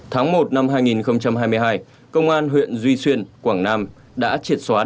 tháng một năm hai nghìn hai mươi hai công an huyện duy xuyên quảng nam đã triệt xóa